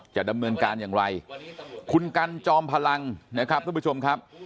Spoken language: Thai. จะดำเนินการอย่างไรคุณกันจอมพลังนะครับทุกผู้ชมครับ